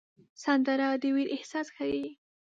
سندره د ویر احساس ښيي